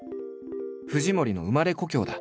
藤森の生まれ故郷だ。